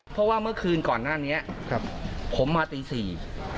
เพราะว่าเมื่อคืนก่อนหน้านี้ผมมาตี๔